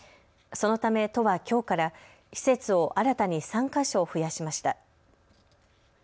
そのため都はきょうから施設を新たに３か所増やしました。